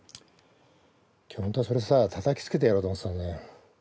今日ホントはそれさたたきつけてやろうと思ってたんだよ。